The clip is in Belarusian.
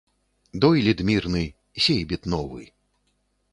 Дойлід мірны, сейбіт новы